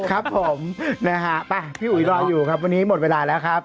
ครับผมนะฮะไปพี่อุ๋ยรออยู่ครับวันนี้หมดเวลาแล้วครับ